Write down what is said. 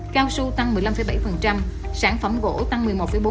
cao su tăng một mươi năm bảy sản phẩm gỗ tăng một mươi một bốn